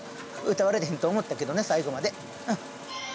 歌われへんと思ったけどね最後まで。